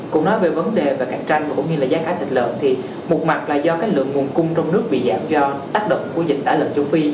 cũng nói về vấn đề về cạnh tranh cũng như là giá thịt lợn thì một mặt là do cái lượng nguồn cung trong nước bị giảm do tác động của dịch tả lợn châu phi